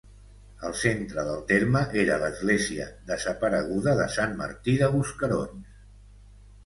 El centre del terme era l'església desapareguda de Sant Martí de Bosquerons.